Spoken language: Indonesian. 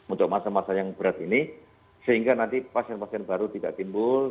untuk masa masa yang berat ini sehingga nanti pasien pasien baru tidak timbul